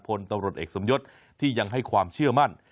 พลตำรวจเอกสมยศที่ยังให้ความเชื่อมั่น